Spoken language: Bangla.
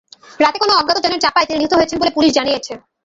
রাতে কোনো অজ্ঞাত যানের চাপায় তিনি নিহত হয়েছেন বলে পুলিশ জানিয়েছে।